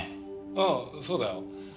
ああそうだよ。